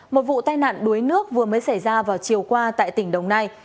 một vụ tai nạn đuối nước vừa mới xảy ra vào chiều qua tại tỉnh đồng nai